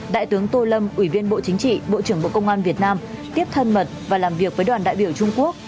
đại tướng tô lâm ủy viên bộ chính trị bộ trưởng bộ công an việt nam tiếp thân mật và làm việc với đoàn đại biểu trung quốc